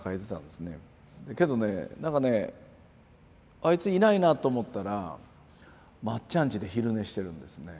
けどねなんかね「あいついないな」と思ったらまっちゃん家で昼寝してるんですね。